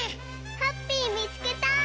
ハッピーみつけた！